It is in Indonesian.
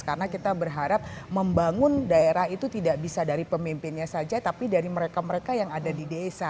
karena kita berharap membangun daerah itu tidak bisa dari pemimpinnya saja tapi dari mereka mereka yang ada di desa